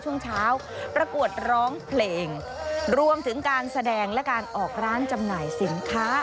ช่วงเช้าประกวดร้องเพลงรวมถึงการแสดงและการออกร้านจำหน่ายสินค้า